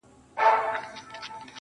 ستا د ښايستو سترگو له شرمه آئينه ماتېږي~